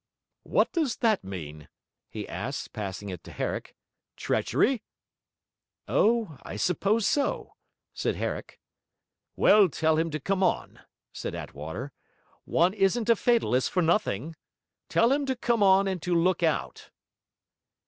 'What does that mean?' he asked, passing it to Herrick. 'Treachery?' 'Oh, I suppose so!' said Herrick. 'Well, tell him to come on,' said Attwater. 'One isn't a fatalist for nothing. Tell him to come on and to look out.'